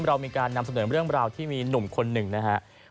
เรามีการนำเสนอเรื่องราวที่มีหนุ่มคนหนึ่งนะครับ